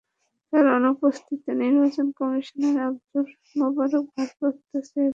তাঁর অনুপস্থিতিতে নির্বাচন কমিশনার আবদুল মোবারক ভারপ্রাপ্ত সিইসির দায়িত্ব পালন করেন।